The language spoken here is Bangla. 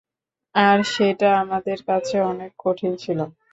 আর সেটা আমাদের কাছে অনেক কঠিন ছিলো।